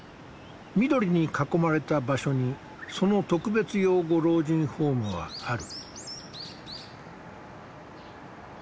緑に囲まれた場所にその特別養護老人ホームはある。